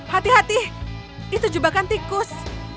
hati hati itu jebakan tikus